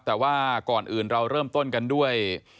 แต่ว่าก่อนอื่นเราเริ่มต้นกันด้วย